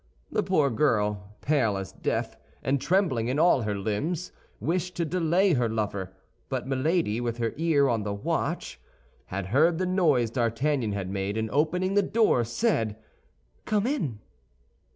The poor girl, pale as death and trembling in all her limbs, wished to delay her lover; but Milady, with her ear on the watch, had heard the noise D'Artagnan had made, and opening the door, said, "Come in."